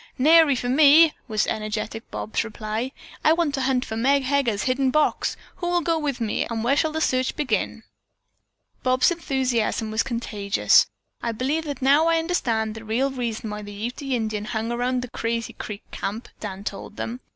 "Nary for me!" was energetic Bob's reply. "I want to hunt for Meg Heger's hidden box. Who will go with me and where shall we begin the search?" Bob's enthusiasm was contagious. "I believe that I now understand the real reason why the Ute Indian hung around the Crazy Creek Camp," Dan told them.